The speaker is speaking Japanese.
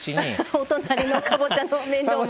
お隣のかぼちゃの面倒も。